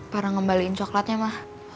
parah ngembaliin coklatnya ma